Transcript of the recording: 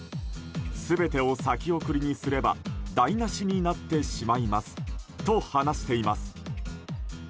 全てを先送りにすれば台無しになってしまいますと話しています。